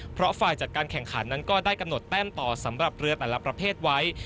เพราะฝ่ายจัดการแข่งขันนั้นก็ได้กำหนดแต้มต่อสำหรับเรือแต่ละประเภทไว้